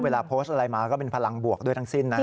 โพสต์อะไรมาก็เป็นพลังบวกด้วยทั้งสิ้นนะ